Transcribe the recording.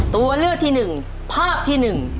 ตัวเลือกที่๑ภาพที่๑